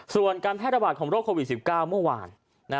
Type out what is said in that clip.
ส่วนการแพร่ระบาดของโรคโควิด๑๙เมื่อวาน